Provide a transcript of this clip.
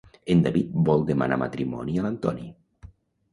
En David vol demanar matrimoni a l'Antoni.